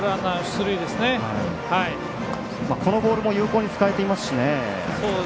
このボールも有効に使われていますね。